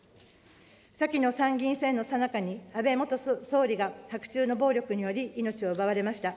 先の参議院選のさなかに、安倍元総理が白昼の暴力により命を奪われました。